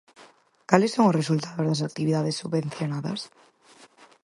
¿Cales son os resultados das actividades subvencionadas?